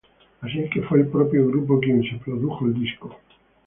Así que fue el propio grupo quien se produjo el disco.